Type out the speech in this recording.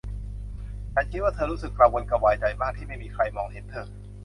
ฉันคิดว่าเธอรู้สึกกระวนกระวายใจมากที่ไม่มีใครมองเห็นเธอ